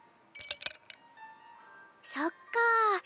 そっかぁ。